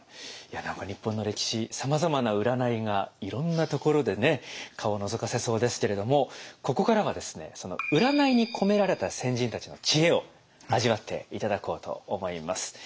いや何か日本の歴史さまざまな占いがいろんなところでね顔をのぞかせそうですけれどもここからはですねその占いに込められた先人たちの知恵を味わって頂こうと思います。